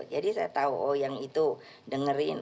jadi saya tahu oh yang itu dengerin